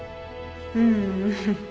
うん。